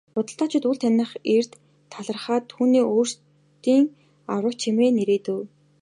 Худалдаачид үл таних эрд талархаад түүнийг өөрсдийн аврагч хэмээн нэрийдэв.